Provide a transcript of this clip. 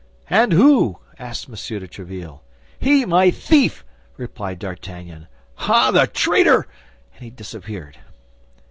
"And who?" asked M. de Tréville. "He, my thief!" replied D'Artagnan. "Ah, the traitor!" and he disappeared.